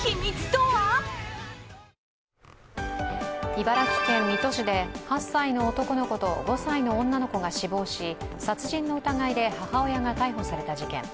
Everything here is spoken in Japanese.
茨城県水戸市で８歳の男の子と５歳の女の子が死亡し、殺人の疑いで母親が逮捕された事件。